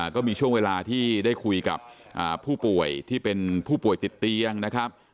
ก็มีช่วงเวลาที่ได้คุยกับผู้ป่วยที่เป็นผู้ป่วยติดเตียงนะครับ